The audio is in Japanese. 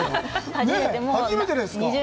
初めてですか。